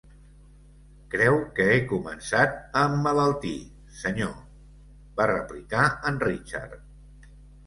"Creu que he començat a emmalaltir, senyor", va replicar en Richard.